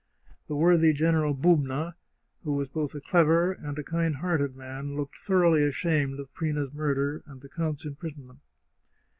The worthy General Bubna, who was both a clever and a kind hearted man, looked thoroughly ashamed of Prina's mur der and the count's imprisonment.